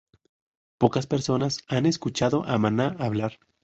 Pocas personas han escuchado a Mana hablar.